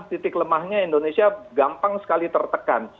titik lemahnya indonesia gampang sekali tertekan